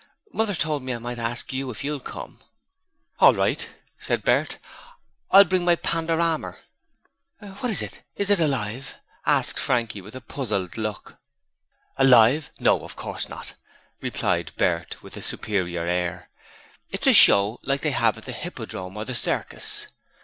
'Mother told me I might ask you if you'll come?' 'All right,' said Bert; 'and I'll bring my Pandoramer.' 'What is it? Is it alive?' asked Frankie with a puzzled look. 'Alive! No, of course not,' replied Bert with a superior air. 'It's a show, like they have at the Hippodrome or the Circus.'